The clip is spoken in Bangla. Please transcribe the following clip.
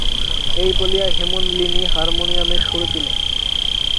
এই বলিয়া হেমনলিনী হারমোনিয়মে সুর দিল।